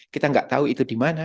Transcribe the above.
kita nggak tahu itu di mana